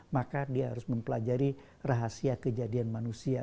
maka dia harus mempelajari rahasia kejadian manusia